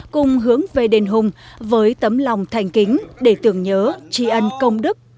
cùng hướng về đền hùng với tấm lòng thanh kính để tưởng nhớ tri ân công đức tổ tiên